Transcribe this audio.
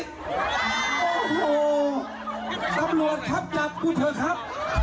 โอ้โหตำรวจครับจับกูเถอะครับ